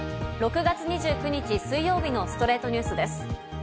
６月２９日、水曜日の『ストレイトニュース』です。